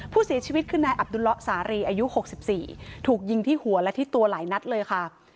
ผู้เสียชีวิตคือนายอับดุลละสารีอายุ๖๔ถูกยิงที่หัวและที่ตัวหลายนัดเลยค่ะ